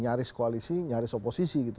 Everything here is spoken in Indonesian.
nyaris koalisi nyaris oposisi gitu